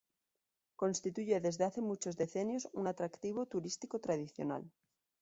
Constituye desde hace muchos decenios un atractivo turístico tradicional.